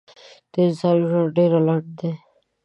د انسان ژوند ډېر لنډ دی.